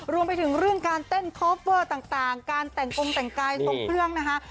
รวมไปถึงเรื่องการเต้นคอฟเวอร์ต่างการแต่งกงแต่งกายทรงเครื่องนะคะ